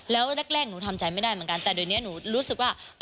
แล้วแรกหนูทำใจไม่ได้เหมือนกันแต่เดี๋ยวนี้หนูรู้สึกว่า